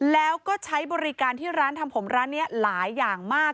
แล้วก็ใช้บริการที่ร้านทำผมร้านนี้หลายอย่างมาก